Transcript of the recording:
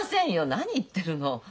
何言ってるの。